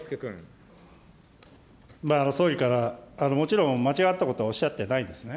総理からもちろん、間違ったことはおっしゃってないんですね。